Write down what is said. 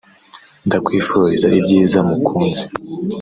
ndakwifuriza ibyiza mukunzi